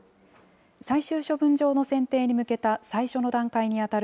最終処分場の選定に向けた最初の段階に当たる